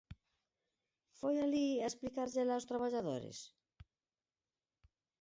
¿Foi alí a explicárllela aos traballadores?